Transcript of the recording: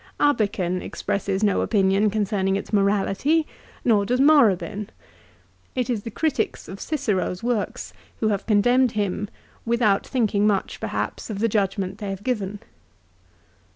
Abeken expresses no opinion concerning its morality, nor does Morabin. It is the critics of Cicero's works who have condemned him without thinking much perhaps of the judgment they have given.